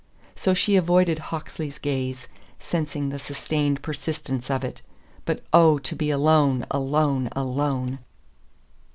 So she avoided Hawksley's gaze, sensing the sustained persistence of it. But, oh, to be alone, alone, alone!